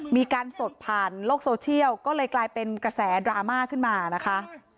มีการสดผ่านโลกโซเชียลก็เลยกลายเป็นกระแสดราม่าขึ้นมานะคะ